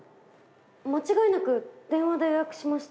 間違いなく電話で予約しました。